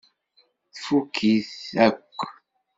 Tfukk-it akk.